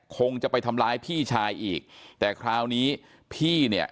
คงจะไปทำร้ายพี่ชายอีกแต่คราวนี้พี่เนี่ย